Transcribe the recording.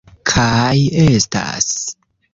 Kaj estas